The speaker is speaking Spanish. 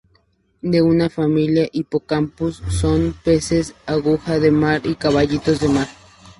De una familia Hippocampus son peces-agujas de mar y caballitos de mar.